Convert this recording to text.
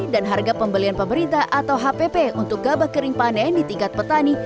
dan harga pembelian pemerintah atau hpp untuk gabah kering panen di tingkat petani